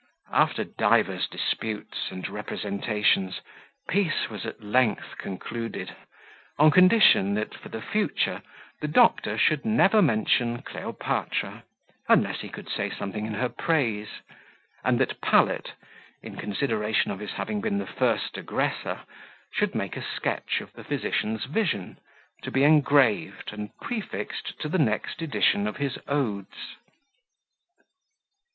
After divers disputes and representations, peace was at length concluded, on condition, that, for the future, the doctor should never mention Cleopatra, unless he could say something in her praise; and that Pallet, in consideration of his having been the first aggressor, should make a sketch of the physician's vision, to be engraved and prefixed to the next edition of his odes.